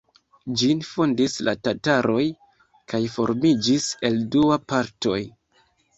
Ĝin fondis la tataroj kaj formiĝis el dua partoj.